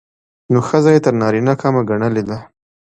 نو ښځه يې تر نارينه کمه ګڼلې ده.